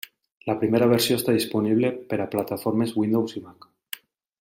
La primera versió està disponible per a plataformes Windows i Mac.